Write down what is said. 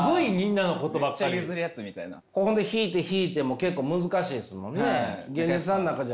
引いて引いても結構難しいですもんね。